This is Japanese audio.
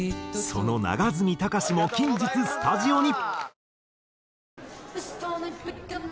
その永積崇も近日スタジオに。